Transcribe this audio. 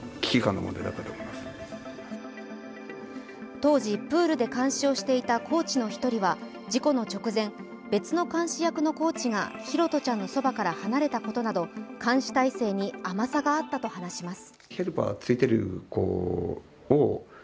当時、プールで監視をしていたコーチの１人は事故の直前、別の監視役のコーチが拓杜ちゃんのそばから離れたことなど監視態勢に甘さがあったと話します。